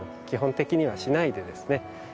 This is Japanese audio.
基本的にはしないでですね